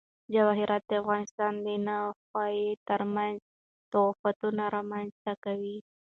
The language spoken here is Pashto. جواهرات د افغانستان د ناحیو ترمنځ تفاوتونه رامنځ ته کوي.